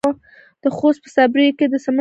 د خوست په صبریو کې د سمنټو مواد شته.